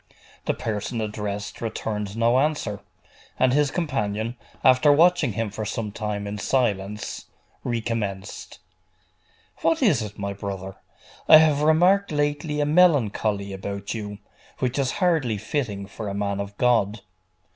The person addressed returned no answer; and his companion, after watching him for some time in silence, recommenced 'What is it, my brother? I have remarked lately a melancholy about you, which is hardly fitting for a man of God.